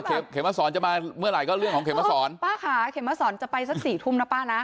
เขมศรจะมาเมื่อไหร่ก็เรื่องของเขมศรป้าค่ะเขมศรจะไปสักสี่ทุ่มนะป้านะ